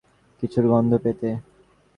কিছুর গন্ধ পেতে।